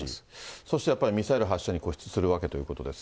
そしてやっぱりミサイル発射に固執するわけですが。